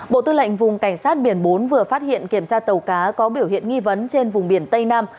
bộ tư lệnh vùng cảnh sát biển bốn vừa phát hiện kiểm tra tàu cá có biểu hiện nghi vấn trên vùng biển tây nam